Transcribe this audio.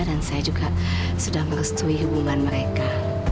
dan saya juga sudah merestui hubungan mereka